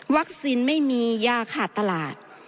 วัคซีนไม่มียากหาตลาด